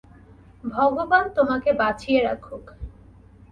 ভগবান তোমাকে বাঁচিয়ে রাখুক।